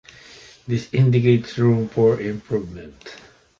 This indicates room for improvement.